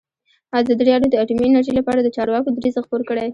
ازادي راډیو د اټومي انرژي لپاره د چارواکو دریځ خپور کړی.